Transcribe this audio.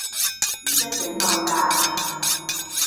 唔識整網站